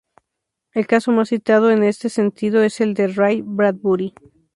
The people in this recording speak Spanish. El caso más citado en este sentido es el de Ray Bradbury.